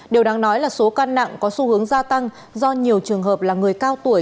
điều đáng nói là số căn nặng có xu hướng gia tăng do nhiều trường hợp là người cao tuổi